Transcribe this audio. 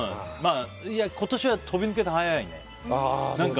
今年は飛び抜けて早いね。